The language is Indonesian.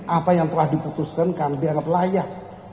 apa yang telah diputuskan kami akan layak